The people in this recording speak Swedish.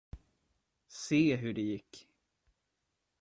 Se hur det gick!